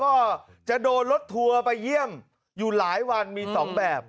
ก็จะโดนรถทัวร์ไปเยี่ยมอยู่หลายวันมี๒แบบ